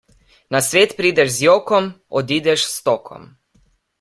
Na svet prideš z jokom, odideš s stokom.